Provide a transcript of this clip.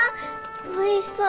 おいしそう。